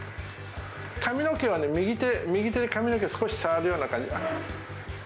髪の毛はね、右手で髪の毛、少し触るような感じ。